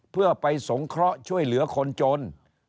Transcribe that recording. เพื่อไปสงเคราะห์ช่วยเหลือคนจน